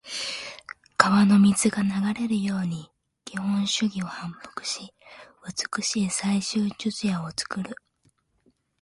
川の水が流れるように基本手技を反復し、美しい最終術野を作る。